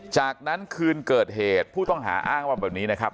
จากนั้นคืนเกิดเหตุผู้ต้องหาอ้างว่าแบบนี้นะครับ